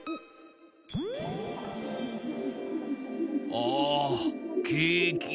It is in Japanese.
ああケーキ。